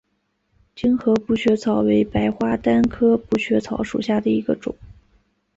精河补血草为白花丹科补血草属下的一个种。